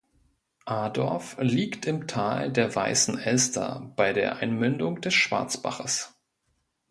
Adorf liegt im Tal der Weißen Elster bei der Einmündung des Schwarzbaches.